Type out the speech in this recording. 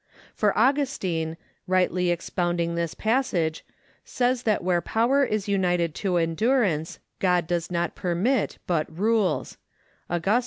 For Augustine, rightly expounding this passage, says that where power is united to endurance, God does not permit, but rules (August.